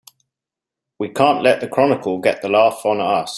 We can't let the Chronicle get the laugh on us!